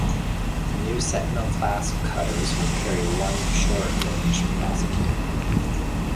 The new Sentinel class cutters will carry one Short Range Prosecutor.